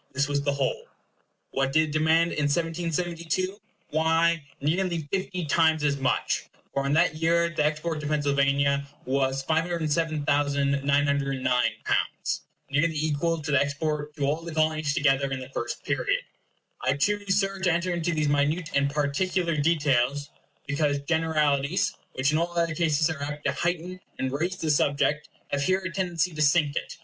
This was the whole. What did it demand in 1772? Why, nearly fifty times as much; for in that year the export to Pennsylvania was L507,909, nearly equal to the export to all the Colonies together in the first period. I choose, Sir, to enter into these minute and particular details, because generalities, which in all other cases are apt to heighten and raise the subject, have here a tendency to sink it.